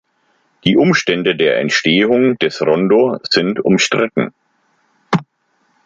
Die Umstände der Entstehung des Rondo sind umstritten.